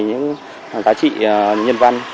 những giá trị nhân văn